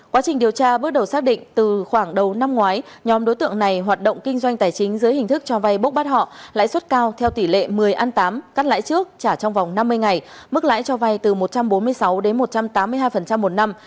quá trình điều tra bước đầu xác định từ khoảng đầu năm ngoái nhóm đối tượng này hoạt động kinh doanh tài chính dưới hình thức cho vay bốc bắt họ lãi suất cao theo tỷ lệ một mươi tám cắt lãi trước trả trong vòng năm mươi ngày mức lãi cho vay từ một trăm bốn mươi sáu đến một trăm tám mươi hai một năm